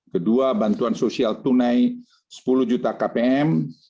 kedua bantuan sosial tunai sepuluh juta kpm